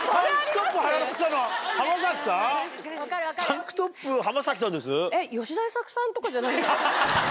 タンクトップ浜崎さんです？